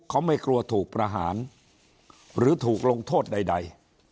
เขาไม่กลัวถูกประหารหรือถูกลงโทษใด